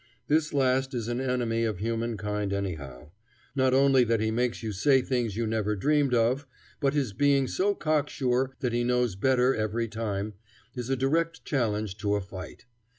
This last is an enemy of human kind anyhow. Not only that he makes you say things you never dreamed of, but his being so cocksure that he knows better every time, is a direct challenge to a fight.